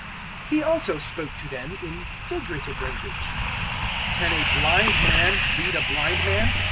006:039 He also spoke to them in figurative language. "Can a blind man lead a blind man?"